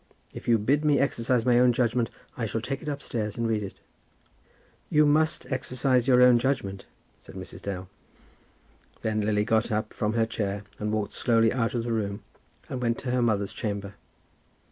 If you bid me exercise my own judgment, I shall take it upstairs and read it." "You must exercise your own judgment," said Mrs. Dale. Then Lily got up from her chair and walked slowly out of the room, and went to her mother's chamber.